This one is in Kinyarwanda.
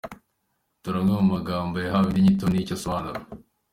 Dore amwe mu magambo yahawe indi nyito n’icyo asobanura.